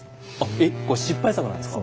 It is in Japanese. えっこれ失敗作なんですか？